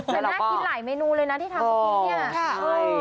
เป็นหน้ากินหลายเมนูเลยนะที่ทำพี่นี่